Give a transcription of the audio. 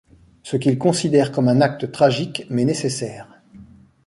Ce qu'il considère comme un acte tragique, mais nécessaire.